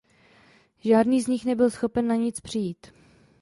Žádný z nich nebyl schopen na nic přijít.